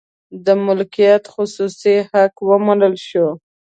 د مالکیت خصوصي حق ومنل شو.